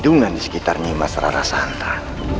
ada lindungan di sekitarnya masyarakat hantar